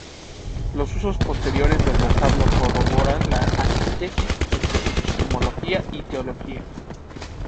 Los usos posteriores del vocablo corroboran la antítesis entre epistemología y teología.